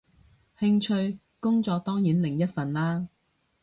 興趣，工作當然另一份啦